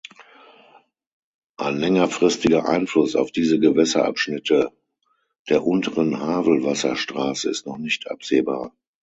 Ein längerfristiger Einfluss auf diese Gewässerabschnitte der Unteren Havel-Wasserstraße ist noch nicht absehbar.